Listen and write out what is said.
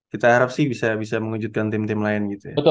kita harap sih bisa mewujudkan tim tim lain gitu ya